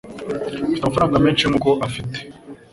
Mfite amafaranga menshi nkuko afite